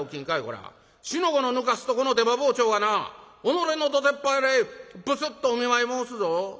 四の五のぬかすとこの出刃包丁がなおのれのどてっ腹へブスッとお見舞い申すぞ。